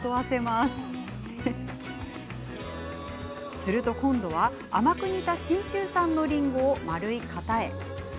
すると、今度は甘く煮た信州産のりんごを丸い型へ。